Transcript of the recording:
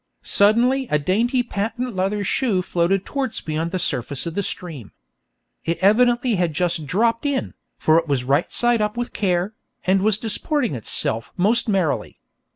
Suddenly a dainty patent leather shoe floated towards me on the surface of the stream. It evidently had just dropped in, for it was right side up with care, and was disporting itself most merrily.